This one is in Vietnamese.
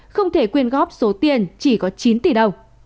không thể quyên góp số tiền chỉ có chín tỷ đồng